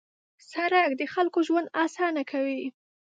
سړک د خلکو ژوند اسانه کوي.